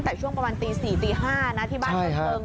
แต่ช่วงประมาณตีสี่ตีห้านะที่บ้าน